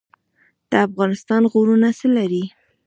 د افغانستان غرونه څه لري؟